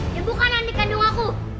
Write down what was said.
dia bukan andi kandung aku